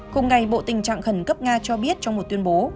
cùng ngày bộ tình trạng khẩn cấp nga cho biết trong một tuyên bố